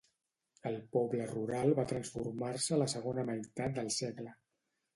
El poble rural va transformar-se a la segona meitat del segle.